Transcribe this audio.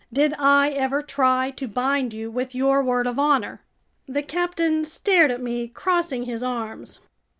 "Did I ever try to bind you with your word of honor?" The captain stared at me, crossing his arms.